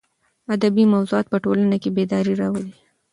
ادبي موضوعات په ټولنه کې بېداري راولي.